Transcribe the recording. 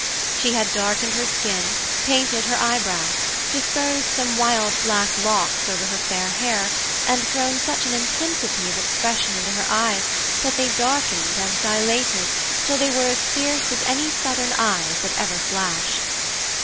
She had darkened her skin, painted her eyebrows, disposed some wild black locks over her fair hair, and thrown such an intensity of expression into her eyes that they darkened and dilated till they were as fierce as any southern eyes that ever flashed.